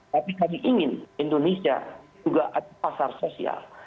tapi kami ingin indonesia juga ada pasar sosial